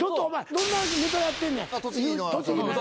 どんなネタやってんねん栃木のやつ。